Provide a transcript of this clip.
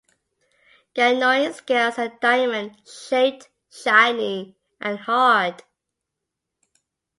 Ganoin scales are diamond shaped, shiny, and hard.